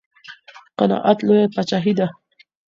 قناعت لويه پاچاهي ده.